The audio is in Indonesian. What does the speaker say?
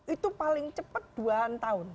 itu paling cepat dua tahun